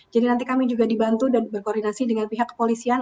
jadi nanti kami juga dibantu dan berkoordinasi dengan pihak kepolisian